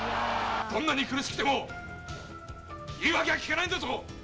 どんなに苦しくても言い訳はきかないんだぞ。